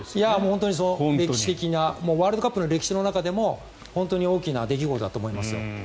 本当に歴史的なワールドカップの歴史の中でも本当に大きな出来事だと思いますよ。